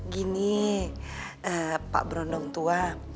gini pak brondong tua